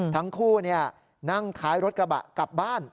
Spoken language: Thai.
ทั้งคู่นั่งท้ายรถกระบะกลับบ้าน